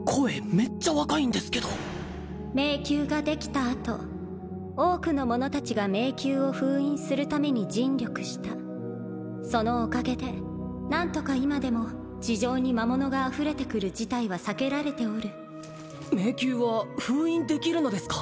めっちゃ若いんですけど迷宮ができたあと多くの者達が迷宮を封印するために尽力したそのおかげで何とか今でも地上に魔物があふれてくる事態は避けられておる迷宮は封印できるのですか？